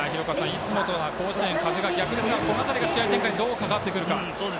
いつもとは甲子園風が逆ですが、この辺りが試合展開に、どう関わってくるか。